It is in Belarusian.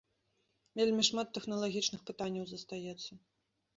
Вельмі шмат тэхналагічных пытанняў застаецца.